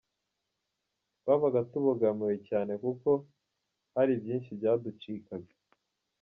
Twabaga tubogamiwe cyane kuko hari byinshi byaducikaga.